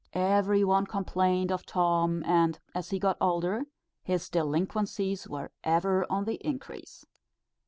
Every one complained of Tom; and, as he got older, his delinquencies were ever on the increase.